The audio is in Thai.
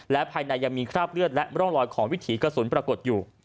และภายในยังมีคราบเลือดและร่องรอยของวิถีกระสุนปรากฏอยู่